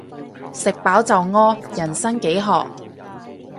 食飽就屙，人生幾何